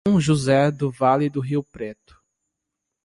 São José do Vale do Rio Preto